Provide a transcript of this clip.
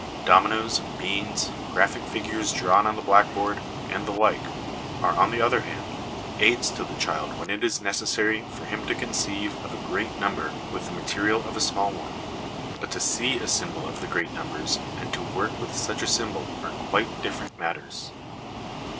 Dominoes, beans, graphic figures drawn on the blackboard, and the like, are, on the other hand, aids to the child when it is necessary for him to conceive of a great number with the material of a small one ; but to see a symbol of the great numbers and to work with such a symbol are quite different matters.